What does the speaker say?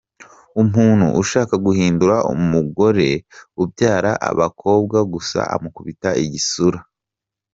Umuntu ushaka guhindura umugore ubyara abakobwa gusa, amukubita igisura.